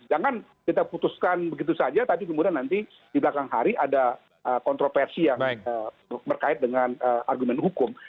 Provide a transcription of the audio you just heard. jangan kita putuskan begitu saja tapi kemudian nanti di belakang hari ada kontroversi yang berkait dengan argumen hukum